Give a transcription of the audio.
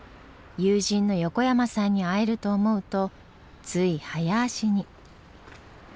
友人の横山さんに会えると思うとつい早足に。